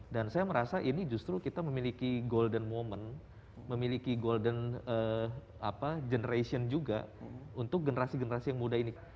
dan saya merasa ini justru kita memiliki golden moment memiliki golden generation juga untuk generasi generasi yang muda ini